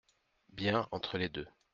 Bien, entre les deux.